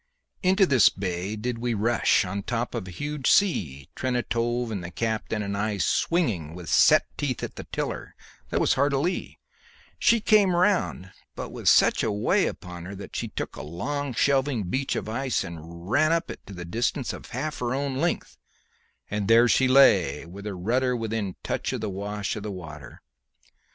Into this bay did we rush on top of a huge sea, Trentanove and the captain and I swinging with set teeth at the tiller, that was hard a lee; she came round, but with such way upon her that she took a long shelving beach of ice and ran up it to the distance of half her own length, and there she lay, with her rudder within touch of the wash of the water.